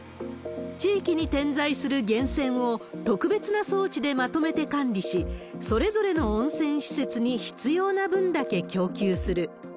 地域に点在する源泉を特別な装置でまとめて管理し、それぞれの温泉施設に必要な分だけ供給する。